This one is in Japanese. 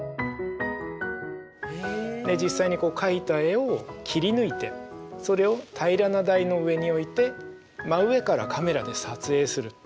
実際に描いた絵を切り抜いてそれを平らな台の上に置いて真上からカメラで撮影する。